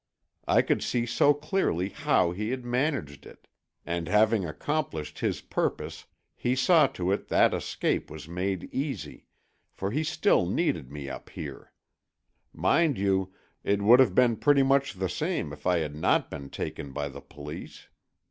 I could see so clearly how he had managed it. And having accomplished his purpose he saw to it that escape was made easy, for he still needed me up here. Mind you, it would have been pretty much the same if I had not been taken by the Police.